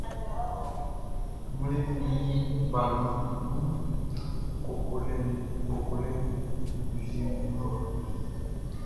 N mlinnin min balɔnʼn i wun koko lɛ fieʼn nun lɔ.